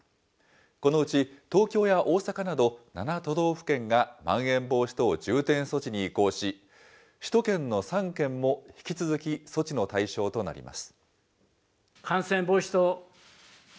このうち東京や大阪など７都道府県が、まん延防止等重点措置に移行し、首都圏の３県も引き続き措置の対象となります。